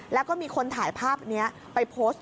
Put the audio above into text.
แล้วก็มีคนถ่ายภาพนี้ไปโพสต์